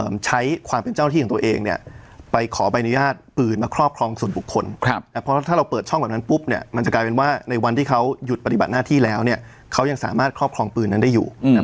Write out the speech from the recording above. มันจะกลายเป็นว่าในวันที่เขาหยุดปฏิบัติหน้าที่แล้วเนี่ยเขายังสามารถครอบครองปืนนั้นได้อยู่อืม